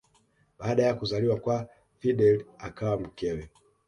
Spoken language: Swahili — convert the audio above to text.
Baada ya kuzaliwa kwa Fidel akawa mkewe